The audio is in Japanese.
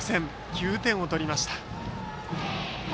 ９点を取りました。